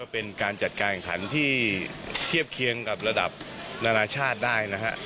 เป็นการจัดการแข่งขันที่เทียบเคียงกับระดับนานาชาติได้นะฮะ